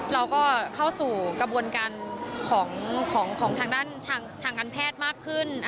เราก็เข้าสู่กระบวนการของทางด้านทางการแพทย์มากขึ้น